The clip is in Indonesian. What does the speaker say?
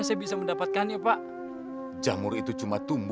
ridwan salah ridwan